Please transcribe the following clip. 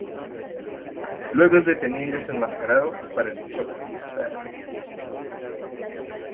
Luego es detenido y desenmascarado, para el shock de Sara.